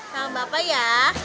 salam bapak ya